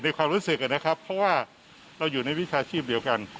ความรู้สึกนะครับเพราะว่าเราอยู่ในวิชาชีพเดียวกัน